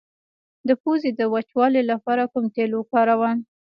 د پوزې د وچوالي لپاره کوم تېل وکاروم؟